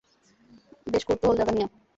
বেশ কৌতূহল জাগানিয়া।